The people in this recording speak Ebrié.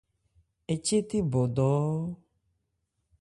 Ɛ che thé bɔdɔ́ɔ́ɔ́.